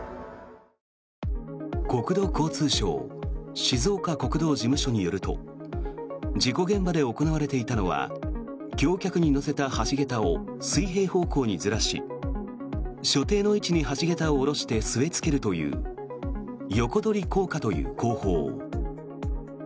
国土交通省静岡国道事務所によると事故現場で行われていたのは橋脚に載せた橋桁を水平方向にずらし所定の位置に橋桁を下ろして据えつけるという横取り・降下という工法。